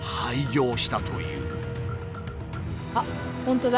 あっ本当だ。